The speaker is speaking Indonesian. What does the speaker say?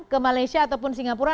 ke malaysia ataupun singapura